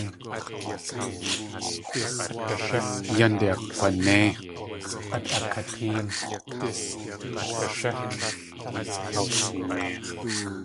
Yánde kg̲wanéi.